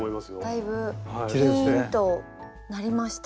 だいぶピーンとなりました。